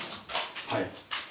はい。